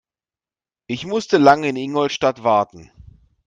Ich musste lange in Ingolstadt warten